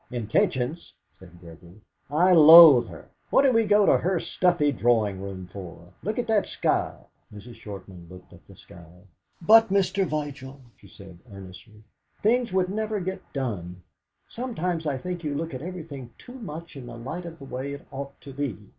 "Intentions?" said Gregory. "I loathe her! What did we go to her stuffy drawing room for? Look at that sky!" Mrs. Shortman looked at the sky. "But, Mr. Vigil," she said earnestly, "things would never get done. Sometimes I think you look at everything too much in the light of the way it ought to be!"